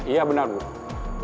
iya benar ibu jangan khawatir